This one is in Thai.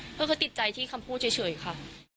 เพราะเขาติดใจที่คำพูดเฉยค่ะ